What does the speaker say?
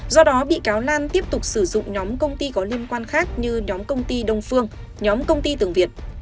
do đó bị cáo lan tiếp tục sử dụng nhóm công ty có liên quan khác như nhóm công ty đông phương nhóm công ty tường việt